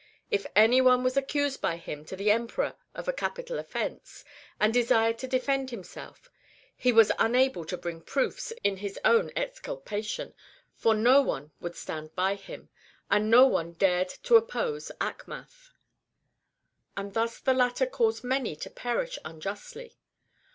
If any one was accused by him to the Emperor of a capital offence, and desired to defend himself, he was unable to bring proofs in his own exculpation, for no one would stand by him, as no one dared to oppose Achmath. And thus the latter caused many to perish unjustly."